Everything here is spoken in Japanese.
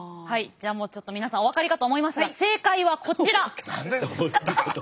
はいじゃあもうちょっと皆さんお分かりかと思いますが正解はこちら。